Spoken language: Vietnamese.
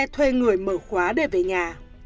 thuê người mở khóa để về nhà